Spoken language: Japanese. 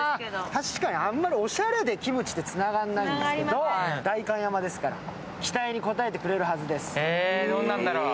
確かにあんまりオシャレでキムチってつながらないんですけど、代官山ですから、期待に応えてくれるはずです。